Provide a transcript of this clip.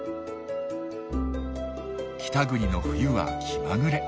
北国の冬は気まぐれ。